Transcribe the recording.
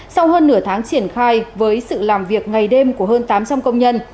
sau hơn nửa tháng triển khai với sự làm việc ngày đêm của hơn tám trăm linh công nhân